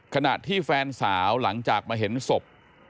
ขณะที่แฟนสาวหลังจากมาเห็นศพ